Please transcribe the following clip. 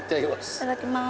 いただきまー